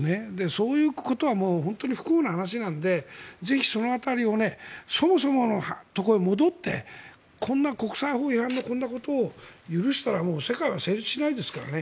そういうことはもう本当に不幸な話なのでぜひ、その辺りをそもそものところへ戻ってこんな国際法違反のこんなことを許したら世界は成立しないですからね。